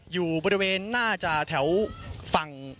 อยู่บริเวณน่าจะแถวฝั่ง